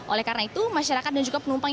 oleh karena itu masyarakat dan juga penumpang